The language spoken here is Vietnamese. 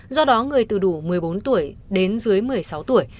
do đó người từ đủ một mươi bốn tuổi đến dưới một mươi sáu tuổi